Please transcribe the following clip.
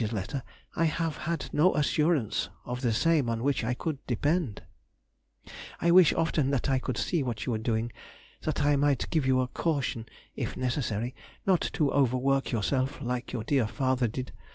's letter) I have had no assurance of the same on which I could depend. I wish often that I could see what you were doing, that I might give you a caution (if necessary) not to overwork yourself like your dear father did.